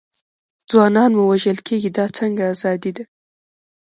ځوانان مو وژل کېږي، دا څنګه ازادي ده.